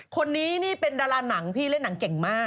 คนนี้นี่เป็นดาราหนังพี่เล่นหนังเก่งมาก